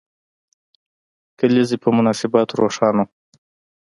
کلیزې په مناسبت روښانه وو.